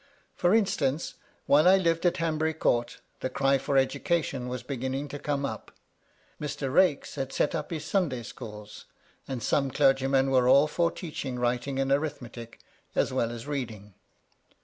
For instance, while I lived at Hanbury Court, the cry for education was beginning to come up : Mr. Raikes had set up his Sunday Schools ; and some clergymen were all for teaching writing and arithmetic, as well as reading.